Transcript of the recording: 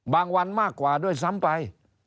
วันมากกว่าด้วยซ้ำไป